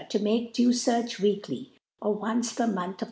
to moke due Seardi .weekly, oronce^rr Month, at.